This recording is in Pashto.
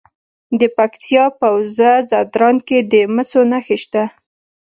د پکتیا په وزه ځدراڼ کې د مسو نښې شته.